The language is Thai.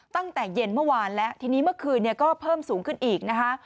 ตั้งแต่เย็นเมื่อวานแล้วทีนี้เมื่อคืนเนี่ยก็เพิ่มสูงขึ้นอีกนะคะ